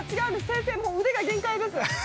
先生、もう腕が限界です。